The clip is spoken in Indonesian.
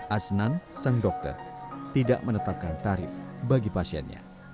asnan sang dokter tidak menetapkan tarif bagi pasiennya